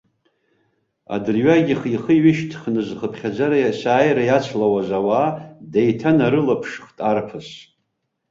Адырҩагьых ихы ҩышьҭхны зхыԥхьаӡара есааира иацлауаз ауаа деиҭанарылаԥшыхт арԥыс.